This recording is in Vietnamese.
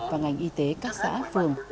và ngành y tế các xã phường